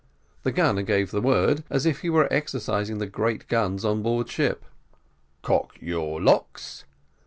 The gunner gave the word, as if he were exercising the great guns on board ship. "Cock your locks!"